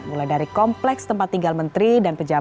mulai dari kompleks tempat tinggal menteri dan pejabat